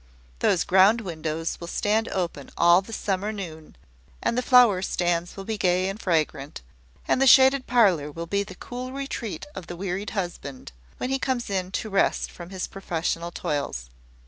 Those ground windows will stand open all the summer noon, and the flower stands will be gay and fragrant; and the shaded parlour will be the cool retreat of the wearied husband, when he comes in to rest from his professional toils.